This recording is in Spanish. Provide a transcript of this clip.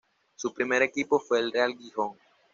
Su primer equipo fue el Real Gijón.